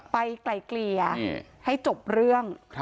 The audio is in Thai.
ไกลเกลี่ยให้จบเรื่อง